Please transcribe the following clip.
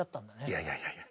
いやいやいやいや。